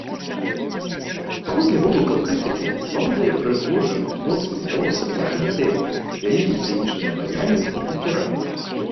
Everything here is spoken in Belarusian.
Паводле водгукаў крытыкі, валодае прыгожым моцным голасам яркага тэмбру, вялікім сцэнічным абаяннем і тэмпераментам.